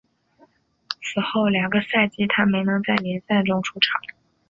此后两个赛季他没能在联赛中出场。